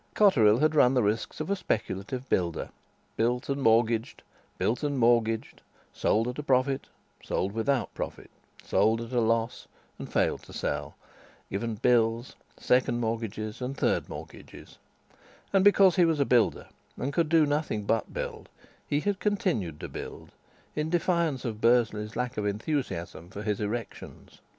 Cotterill had run the risks of the speculative builder, built and mortgaged, built and mortgaged, sold at a profit, sold without profit, sold at a loss, and failed to sell; given bills, second mortgages, and third mortgages; and because he was a builder and could do nothing but build, he had continued to build in defiance of Bursley's lack of enthusiasm for his erections.